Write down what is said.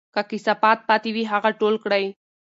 که کثافات پاتې وي، هغه ټول کړئ.